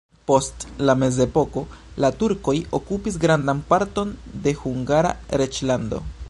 Post la mezepoko la turkoj okupis grandan parton de Hungara reĝlando.